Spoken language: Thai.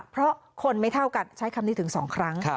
เพราะคนไม่เท่ากันใช้คำนี้ถึง๒ครั้ง